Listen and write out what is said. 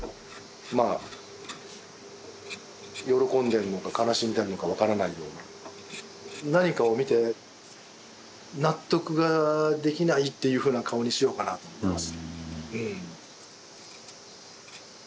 まあ喜んでんのか悲しんでんのか分からないような何かを見て納得ができないっていうふうな顔にしようかなと思ってます。